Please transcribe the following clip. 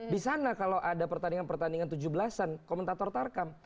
di sana kalau ada pertandingan pertandingan tujuh belas an komentator tarkam